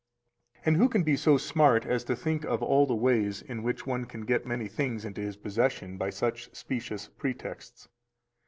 304 And who can be so smart as to think of all the ways in which one can get many things into his possession by such specious pretexts?